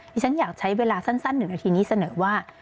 ฉันอยากใช้เวลาสั้น๑นาทีนี้เสนอว่า